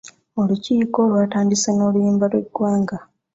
Olikiiko lwatandise n'oluyimba lw'eggwanga.